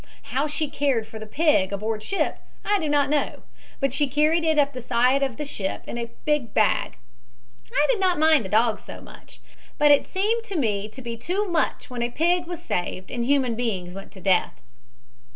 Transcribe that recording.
How she cared for the pig aboard ship I do not know, but she carried it up the side of the ship in a big bag. I did not mind the dogs so much, but it seemed to me to be too much when a pig was saved and human beings went to death.